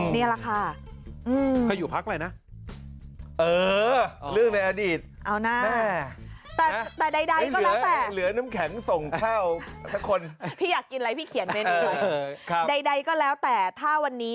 นี่แหล่ะค่า